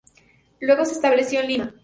Luego se estableció en Lima.